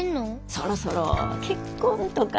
そろそろ結婚とか。